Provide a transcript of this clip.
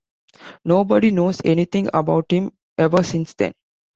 Nobody knows anything about him ever since then.